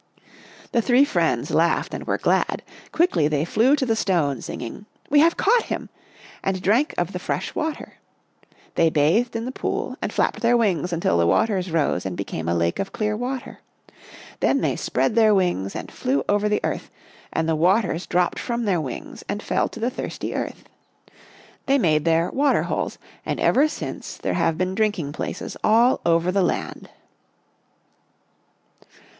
" The three friends laughed and were glad. Quickly they flew to the stone, singing, ' We have caught him !' and drank of the fresh 'Hut. A Drive 29 water. They bathed in the pool and flapped their wings until the waters rose and became a lake of clear water. Then they spread their wings and flew over the earth, and the waters dropped from their wings and fell to the thirsty earth. They made there water holes, and ever since there have been drinking places all over the land."